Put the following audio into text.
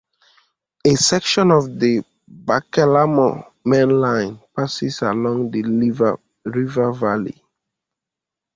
A section of the Baikal–Amur Mainline passes along the river valley.